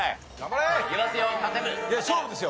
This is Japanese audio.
いや勝負ですよ。